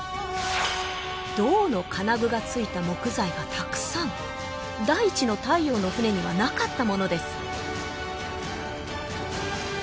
銅の金具がついた木材がたくさん第一の太陽の船にはなかったものです